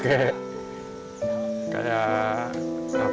pernah nggak pernah pertama kali